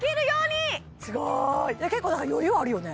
結構なんか余裕あるよね